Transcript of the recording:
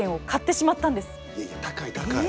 いやいや高い高い。